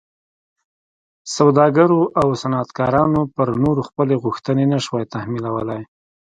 سوداګرو او صنعتکارانو پر نورو خپلې غوښتنې نه شوای تحمیلولی.